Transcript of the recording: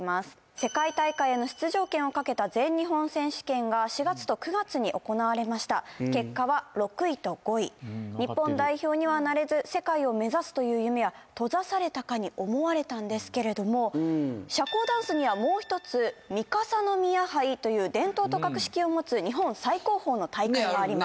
世界大会への出場権をかけた全日本選手権が４月と９月に行われました結果は６位と５位日本代表にはなれず世界を目指すという夢は閉ざされたかに思われたんですけれども社交ダンスにはもう一つ三笠宮杯という伝統と格式を持つ日本最高峰の大会があります